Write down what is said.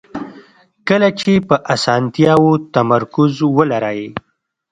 کله چې په اسانتیاوو تمرکز ولرئ.